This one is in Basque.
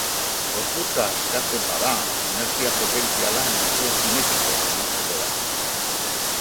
Gorputza askatzen bada, energia potentziala energia zinetiko bihurtuko da.